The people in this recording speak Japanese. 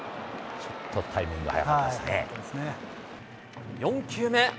ちょっとタイミングが早かっ４球目。